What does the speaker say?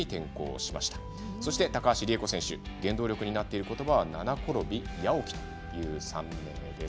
そして高橋利恵子選手原動力になっている言葉は七転び八起きという３人です。